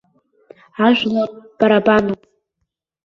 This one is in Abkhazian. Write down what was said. Ажәлар барабануп!